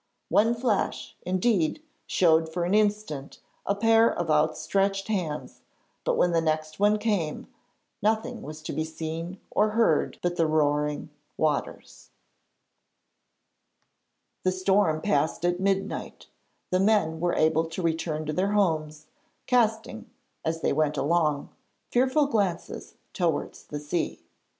One flash, indeed, showed for an instant a pair of outstretched hands; but when the next one came, nothing was to be seen or heard but the roaring waters. [Illustration: FATHER REDCAP FOUND IN THE CELLAR] The storm passed at midnight, the men were able to return to their homes, casting, as they went along, fearful glances towards the sea.